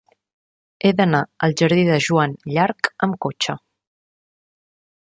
He d'anar al jardí de Joan Llarch amb cotxe.